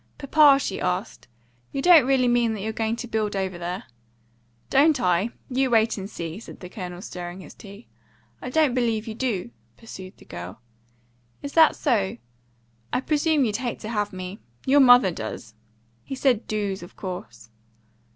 "Papa," she asked, "you don't really mean that you're going to build over there?" "Don't I? You wait and see," said the Colonel, stirring his tea. "I don't believe you do," pursued the girl. "Is that so? I presume you'd hate to have me. Your mother does." He said DOOS, of course.